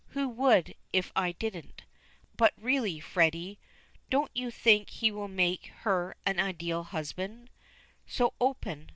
Who would, if I didn't? But really, Freddy, don't you think he will make her an ideal husband? So open.